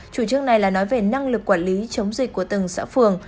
chủ trương này là nói về năng lực quản lý chống dịch của từng xã phường